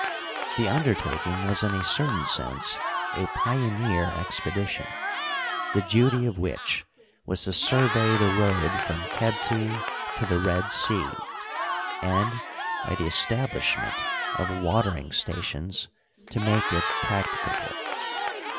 The undertaking was in a certain sense a pioneer expedition, the duty of which was to survey the road from Qebti to the Red Sea, and, by the establishment of watering sta tions, to make it practicable.